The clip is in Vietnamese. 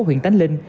huyện tánh linh